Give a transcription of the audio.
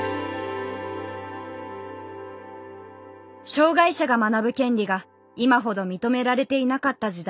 障害者が学ぶ権利が今ほど認められていなかった時代。